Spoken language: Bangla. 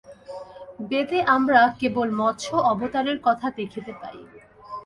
বেদে আমরা কেবল মৎস্য-অবতারের কথা দেখিতে পাই।